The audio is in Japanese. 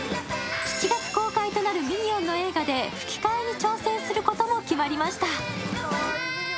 ７月公開となるミニオンの映画で吹き替えに挑戦することも決まりました。